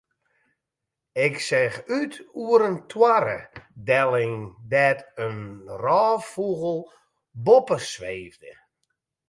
Ik seach út oer in toarre delling dêr't in rôffûgel boppe sweefde.